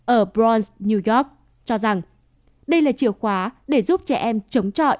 ở bronx new york cho rằng đây là chiều khóa để giúp trẻ em chống trọi